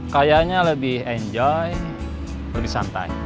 kayaknya lebih enjoy lebih santai